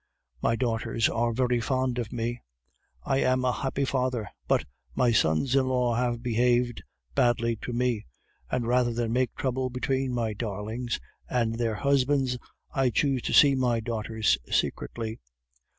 "My daughters are very fond of me; I am a happy father; but my sons in law have behaved badly to me, and rather than make trouble between my darlings and their husbands, I choose to see my daughters secretly.